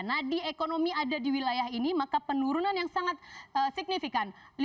nah di ekonomi ada di wilayah ini maka penurunan yang sangat signifikan